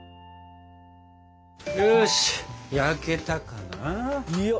よし焼けたかな？